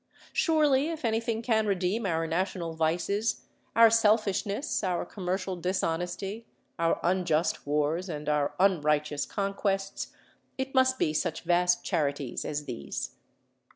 Surely, if anything can redeem our national vices, our selfishness, our commercial dishonesty, our unjust wars, and our unrighteous conquests, it must be such vast charities as these.